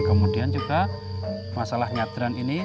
kemudian juga masalah nyadran ini